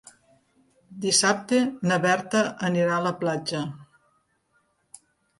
Dissabte na Berta anirà a la platja.